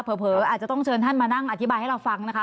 อาจจะต้องเชิญท่านมานั่งอธิบายให้เราฟังนะคะ